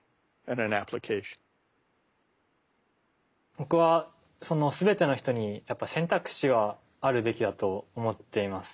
僕は全ての人に選択肢はあるべきだと思っています。